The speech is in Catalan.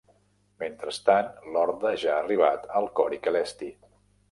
Mentrestant, l'Horda ja ha arribat al Cori Celesti.